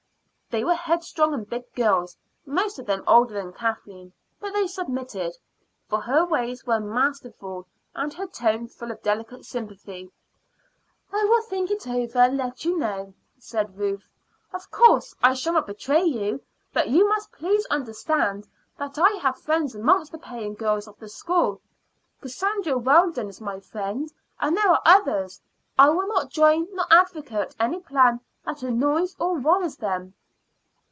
They were headstrong and big girls, most of them older than Kathleen, but they submitted, for her ways were masterful and her tone full of delicate sympathy. "I will think it over and let you know," said Ruth. "Of course, I shall not betray you; but you must please understand that I have friends amongst the paying girls of the school. Cassandra Weldon is my friend, and there are others. I will not join nor advocate any plan that annoys or worries them."